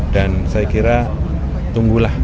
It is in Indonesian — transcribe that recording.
dan saya kira tunggulah